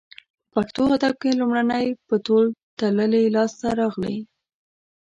په پښتو ادب کې لومړنۍ په تول تللې لاسته راغلې